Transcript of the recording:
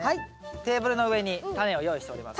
テーブルの上にタネを用意しております。